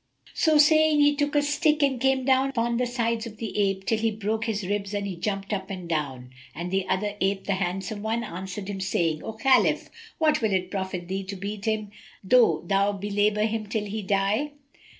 So saying, he took a stick[FN#270] and came down upon the sides of the ape, till he broke his ribs and he jumped up and down. And the other ape, the handsome one, answered him, saying, "O Khalif, what will it profit thee to beat him, though thou belabour him till he die?"